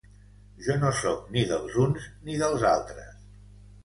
Jo no soc ni dels uns ni dels altres!